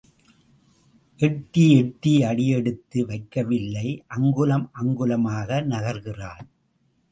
எட்டி எட்டி அடி எடுத்து வைக்க வில்லை அங்குலம் அங்குலமாக நகர்கிறாள்.